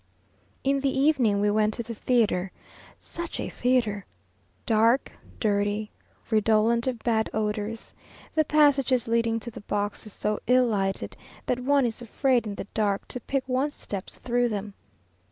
In the evening we went to the theatre. Such a theatre! Dark, dirty, redolent of bad odours; the passages leading to the boxes so ill lighted, that one is afraid in the dark to pick one's steps through them.